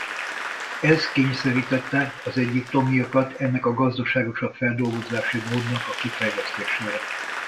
Ez kényszerítette az egyiptomiakat ennek a gazdaságosabb feldolgozási módnak a kifejlesztésére.